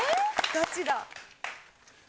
ガチだ。